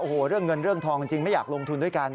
โอ้โหเรื่องเงินเรื่องทองจริงไม่อยากลงทุนด้วยกัน